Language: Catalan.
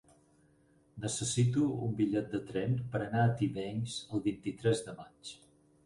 Necessito un bitllet de tren per anar a Tivenys el vint-i-tres de maig.